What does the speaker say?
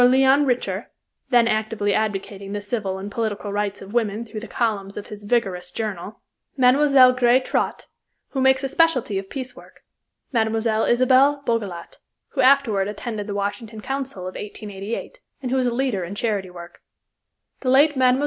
Léon Richer, then actively advocating the civil and political rights of women through the columns of his vigorous journal; Mme. Griess Traut, who makes a specialty of Peace work; Mme. Isabelle Bogelot, who afterward attended the Washington Council of 1888, and who is a leader in charity work; the late Mme.